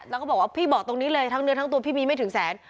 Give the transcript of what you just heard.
แล้วก็บอกว่าพี่บอกตรงนี้เลยทั้งเนื้อทั้งตัวพี่มีไม่ถึงแสน